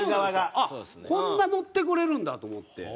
あっこんなノってくれるんだと思って。